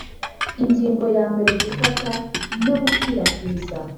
Ingingo ya mbere Gufata no gukwirakwiza